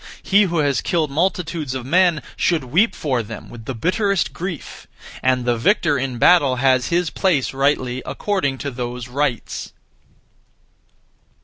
He who has killed multitudes of men should weep for them with the bitterest grief; and the victor in battle has his place (rightly) according to those rites.